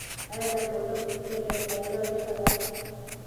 ایا دا کوټه په رښتیا ډېره تیاره او یخه ده؟